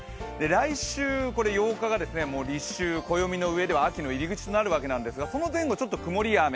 来週、８日が立秋、暦のうえでは秋の入り口となるんですがその前後ちょっと曇りや雨。